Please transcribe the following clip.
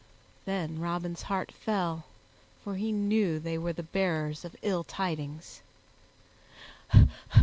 Then Robin's heart fell, for he knew they were the bearers of ill tidings.